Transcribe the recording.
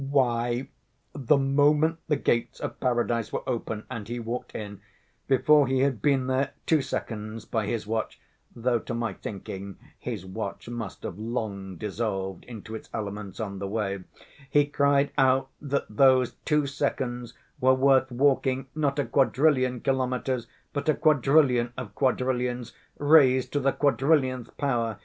"Why, the moment the gates of Paradise were open and he walked in, before he had been there two seconds, by his watch (though to my thinking his watch must have long dissolved into its elements on the way), he cried out that those two seconds were worth walking not a quadrillion kilometers but a quadrillion of quadrillions, raised to the quadrillionth power!